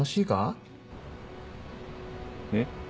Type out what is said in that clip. えっ？